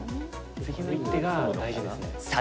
次の一手が大事ですね。